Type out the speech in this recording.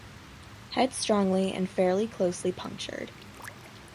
Head strongly and fairly closely punctured.